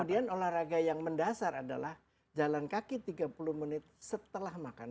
kemudian olahraga yang mendasar adalah jalan kaki tiga puluh menit setelah makan